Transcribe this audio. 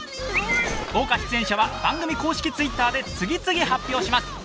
豪華出演者は番組公式ツイッターで次々発表します